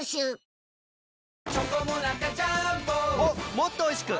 もっとおいしく！